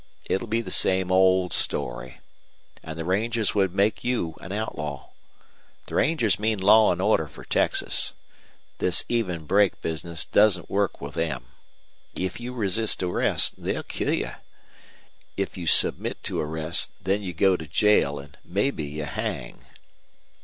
It'll be the same old story. An' the rangers would make you an outlaw. The rangers mean law an' order for Texas. This even break business doesn't work with them. If you resist arrest they'll kill you. If you submit to arrest, then you go to jail, an' mebbe you hang."